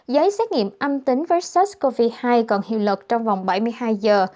giấy xác nghiệm âm tính versus covid hai còn hiệu lực trong vòng bảy mươi hai giờ